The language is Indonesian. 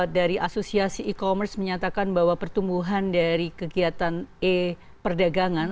dari asosiasi e commerce menyatakan bahwa pertumbuhan dari kegiatan e perdagangan